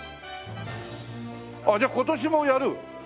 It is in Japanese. あっじゃあ今年もやる？